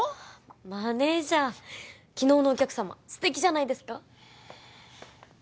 マネージャー昨日のお客様素敵じゃないですか？